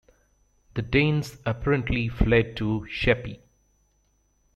The Danes apparently fled to Sheppey.